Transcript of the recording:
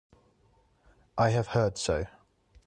I have heard so.